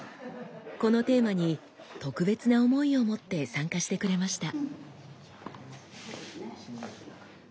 このテーマに特別な思いを持って参加してくれました。